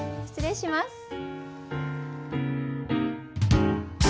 失礼します。